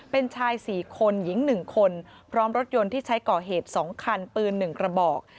เป็นชาย๔คนหญิง๑คนพร้อมรถยนต์ที่ใช้ก่อเหตุ๒คันปืน๑กระบอก